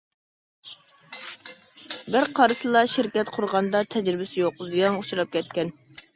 بىر قارىسىلا شىركەت قۇرغاندا تەجرىبىسى يوق، زىيانغا ئۇچراپ كەتكەن.